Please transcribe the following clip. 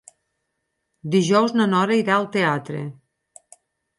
Dijous na Nora irà al teatre.